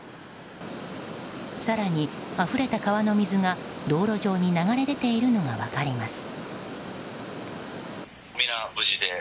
更に、あふれた川の水が道路上に流れ出ているのが分かります。